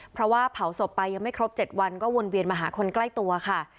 เพราะว่าเผาศพไปยังไม่ครบ๗วันก็วนเวียนมาหาคนใกล้ตัวค่ะ